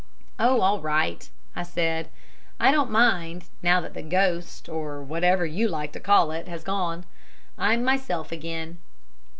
"Oh, all right," I said. "I don't mind, now that the ghost, or whatever you like to call it, has gone; I'm myself again."